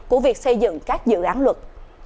của việc xây dựng các dự án luật